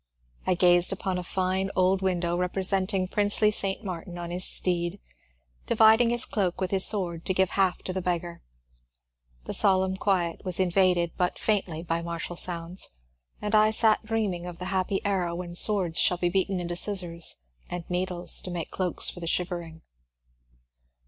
I gazed upon a fine old window represent ing princely St. Martin on his steed, dividing his cloak with his sword to give half to the beggar. The solenm quiet was invaded but faintly by martial sounds, and I sat dreaming of the happy era when swords shall be beaten into scissors and needles to make cloaks for the shivering.